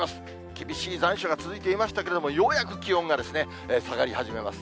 厳しい残暑が続いていましたけれども、ようやく気温が下がり始めます。